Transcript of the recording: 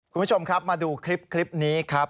คุณผู้ชมครับมาดูคลิปนี้ครับ